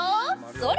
それ！